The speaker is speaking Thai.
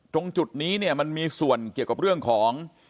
ตรงจุดนี้เนี่ยมันมีส่วนเกี่ยวกับเรื่องของ